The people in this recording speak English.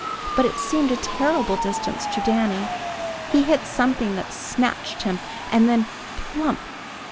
But it seemed a terrible distance to Danny. He hit something that scratched him, and then plump!